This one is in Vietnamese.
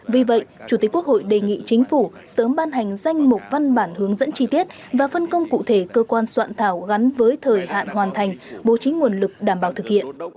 vì vậy chủ tịch quốc hội đề nghị chính phủ sớm ban hành danh mục văn bản hướng dẫn chi tiết và phân công cụ thể cơ quan soạn thảo gắn với thời hạn hoàn thành bố trí nguồn lực đảm bảo thực hiện